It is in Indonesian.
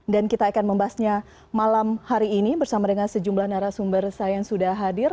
dan kita akan membahasnya malam hari ini bersama dengan sejumlah narasumber saya yang sudah hadir